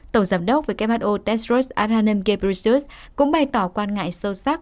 tổng giám đốc who tedros adhanom ghebreyesus cũng bày tỏ quan ngại sâu sắc